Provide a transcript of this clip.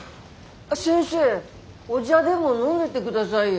先生お茶でも飲んでってくださいよ。